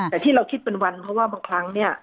แต่ที่เราคิดเป็นวันเพราะว่าบางครั้งเนี่ย